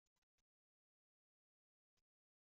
Ad qqimeɣ dani careḍ iyaren.